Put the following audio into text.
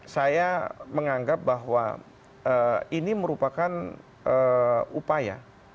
saya menganggap bahwa ini merupakan upaya